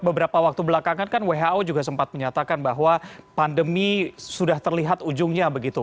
beberapa waktu belakangan kan who juga sempat menyatakan bahwa pandemi sudah terlihat ujungnya begitu